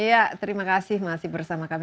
ya terima kasih masih bersama kami